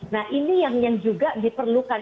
nah ini yang juga diperlukan